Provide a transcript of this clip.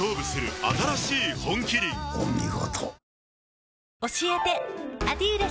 お見事。